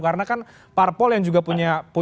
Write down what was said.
karena kan parpol yang juga punya